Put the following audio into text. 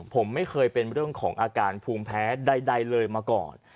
ผมไม่เคยเป็นเรื่องของอาการภูมิแพ้ใดเลยมาก่อน